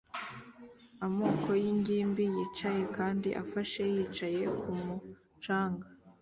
Amoko yingimbi yicaye kandi afashe yicaye kumu canga